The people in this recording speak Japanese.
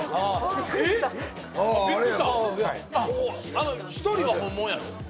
あの１人は本物やろ？